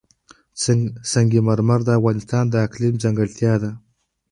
سنگ مرمر د افغانستان د اقلیم ځانګړتیا ده.